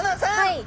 はい。